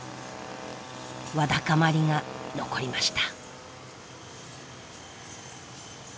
わだかまりが残りました。